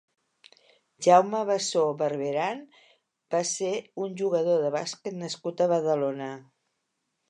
Jaume Bassó Barberan va ser un jugador de bàsquet nascut a Badalona.